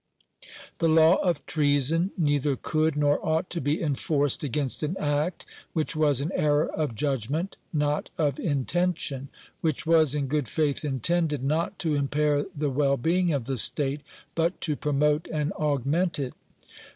The law of treason neither could nor ought to be enforced against an act which was an error of judgment, not of intention which was in good faith intended not to impair the well being of the State, but to promote and augment it.